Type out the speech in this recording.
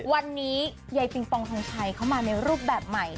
วันนี้ยายปิงปองทงชัยเข้ามาในรูปแบบใหม่